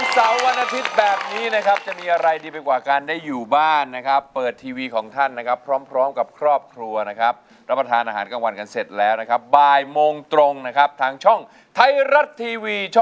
สองคนได้กับรายการดีแบบนี้ครับร้องได้ให้ล้านลูกทุ่งส่งชีวิต